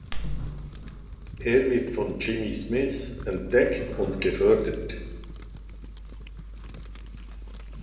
Er wird von Jimmy Smith entdeckt und gefördert.